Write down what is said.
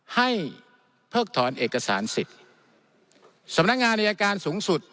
เพิกถอนเอกสารสิทธิ์สำนักงานอายการสูงสุด